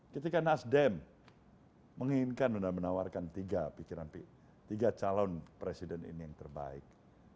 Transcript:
ketika nasdem menginginkan dan menawarkan tiga pikiran tiga calon presiden ini yang terbaik